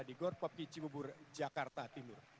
di gorpopki cibubur jakarta timur